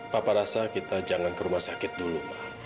papa rasa kita jangan ke rumah sakit dulu